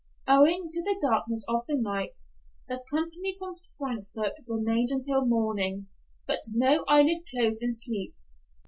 Owing to the darkness of the night, the company from Frankfort remained until morning, but no eyelid closed in sleep.